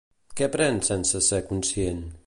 Què pren sense ser conscient?